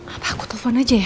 apa aku telepon aja ya